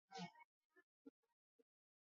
Barabara za mjini ziko safi kuliko za mashambani